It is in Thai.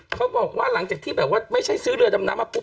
เขาบอกว่าหลังจากที่แบบว่าไม่ใช่ซื้อเรือดำน้ำมาปุ